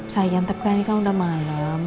sayang tapi kan ini udah malem